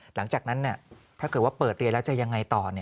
หลังจากนั้นถ้าเกิดว่าเปิดเรียนแล้วจะยังไงต่อ